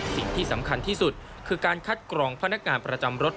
สิ่งที่สำคัญที่สุดคือการคัดกรองพนักงานประจำรถ